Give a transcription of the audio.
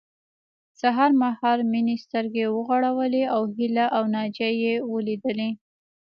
سهار مهال مينې سترګې وغړولې او هيله او ناجيه يې وليدلې